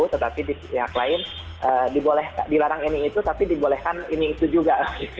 tetapi di pihak lain dibolehkan dilarang ini itu tapi dibolehkan ini itu juga